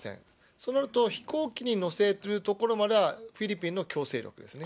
そうなると、飛行機に乗せるところまではフィリピンの強制力ですね。